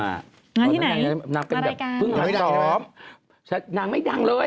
นายที่ไหนมารายการ